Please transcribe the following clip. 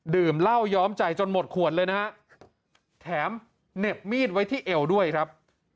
ดื่มเหล้าย้อมใจจนหมดขวดเลยนะฮะแถมเหน็บมีดไว้ที่เอวด้วยครับ